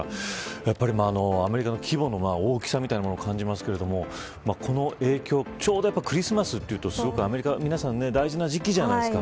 やっぱりアメリカの規模の大きさみたいなものを感じますけれどもこの影響ちょうどクリスマスというとアメリカの皆さん、すごく大事な時期じゃないですか。